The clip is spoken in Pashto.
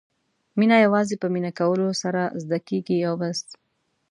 مینه یوازې په مینه کولو سره زده کېږي او بس.